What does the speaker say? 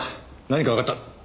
何かわかった。